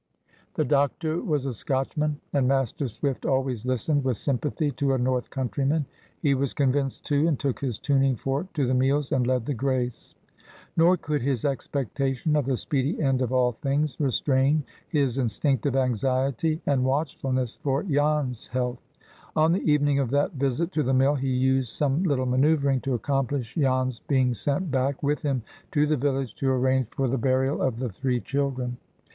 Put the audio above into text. '" The doctor was a Scotchman, and Master Swift always listened with sympathy to a North countryman. He was convinced, too, and took his tuning fork to the meals, and led the grace. Nor could his expectation of the speedy end of all things restrain his instinctive anxiety and watchfulness for Jan's health. On the evening of that visit to the mill, he used some little manoeuvring to accomplish Jan's being sent back with him to the village, to arrange for the burial of the three children.